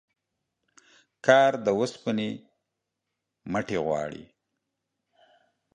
کار د اوسپني موټي غواړي